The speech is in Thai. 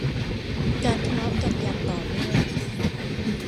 การทะเลาะกันอย่างต่อเนื่อง